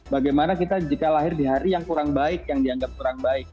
bagaimana kita jika lahir di hari yang kurang baik yang dianggap kurang baik